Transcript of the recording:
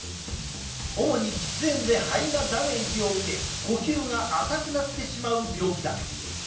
主に喫煙で肺がダメージを受け呼吸が浅くなってしまう病気だ。